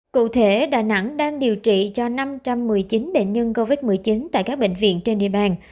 cụ thể đà nẵng đang điều trị cho năm trăm một mươi chín bệnh nhân covid một mươi chín tại các bệnh viện trên địa bàn